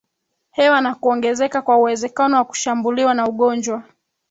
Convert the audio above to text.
hewa na kuongezeka kwa uwezekano wa kushambuliwa na ugonjwa